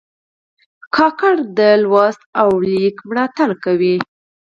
کاکړ د لوست او لیک ملاتړ کوي.